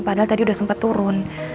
padahal tadi udah sempet turun